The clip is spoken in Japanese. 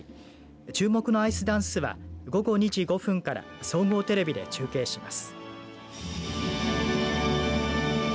注目のアイスダンスは午後２時５分から総合テレビで中継します。